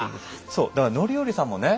そうだから範頼さんもね